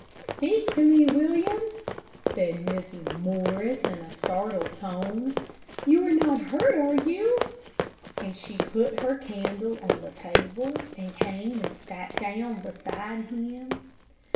"Speak to me, William!" said Mrs. Morris, in a startled tone. "You are not hurt, are you?" and she put her candle on the table and came and sat down beside him.